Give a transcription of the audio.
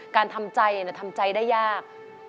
การทำใจทำใจได้ยาก